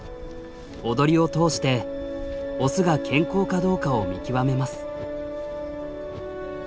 踊りを通してオスが健康かどうかを見極めます。